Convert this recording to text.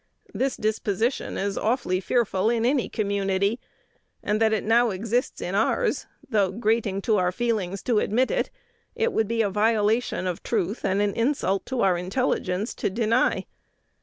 This disposition is awfully fearful in any community, and that it now exists in ours, though grating to our feelings to admit it, it would be a violation of truth and an insult to our intelligence to deny.